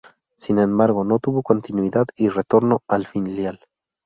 Sin embargo, no tuvo continuidad y retornó al filial.